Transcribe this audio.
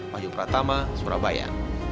maju pratama surabaya